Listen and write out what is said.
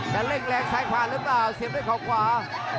แต่เร่งแรงซ้ายผ่านหรือเปล่าเสียบด้วยเขาขวา